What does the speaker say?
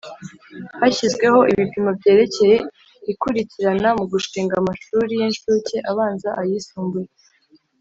Hashyizweho ibipimo byerekeye ikurikirana mu gushinga amashuri y incuke abanza ayisumbuye